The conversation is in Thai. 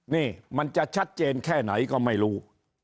นี่มันจะชัดเจนแค่ไหนก็ไม่รู้